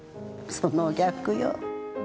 その逆よ。